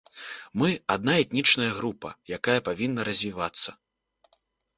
Мы адна этнічная група, якая павінна развівацца.